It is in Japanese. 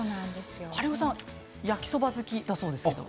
金子さん、焼きそば好きだそうですね。